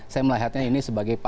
saya melihatnya ini sebagai